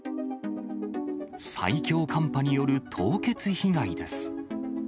最強寒波による凍結被害です。